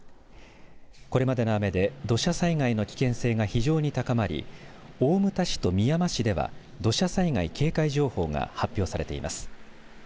これまでの雨で土砂災害の危険性が非常に高まり大牟田市とみやま市では土砂災害警戒情報が発表されています。